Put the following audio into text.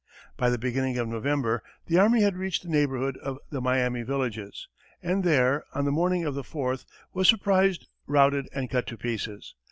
By the beginning of November, the army had reached the neighborhood of the Miami villages, and there, on the morning of the fourth, was surprised, routed and cut to pieces.